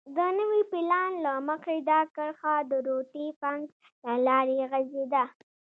د نوي پلان له مخې دا کرښه د روټي فنک له لارې غځېده.